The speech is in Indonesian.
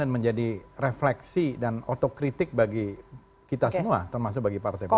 dan menjadi refleksi dan otokritik bagi kita semua termasuk bagi partai partai